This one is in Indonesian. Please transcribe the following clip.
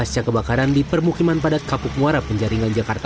terbakar semuanya cuma bawa surat doang